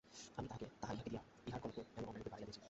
আমিই তাহা ইহাকে দিয়া ইহার গর্ব এমন অন্যায়রূপে বাড়াইয়া দিয়াছি।